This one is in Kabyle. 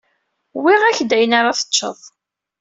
Wwiɣ-ak-d ayen ara teččeḍ.